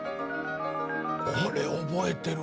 これ覚えてるわ。